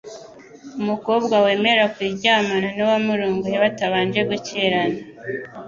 umukobwa wemera kuryamana n'uwamurongoye batabanje gukirana